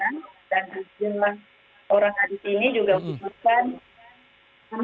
dan sejumlah orang yang ada di sini juga berdiri di